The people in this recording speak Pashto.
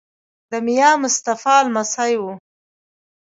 د میا مصطفی لمسی وو.